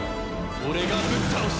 俺がぶっ倒す！